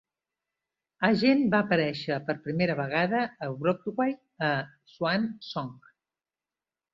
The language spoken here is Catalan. Hagen va aparèixer per primera vegada a Broadway a "Swan Song".